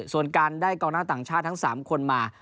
ส่วนการได้กองหน้าต่างชาติทั้ง๓คนมา